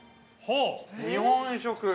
日本食。